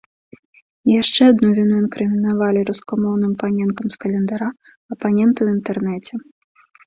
І яшчэ адну віну інкрымінавалі рускамоўным паненкам з календара апаненты ў інтэрнэце.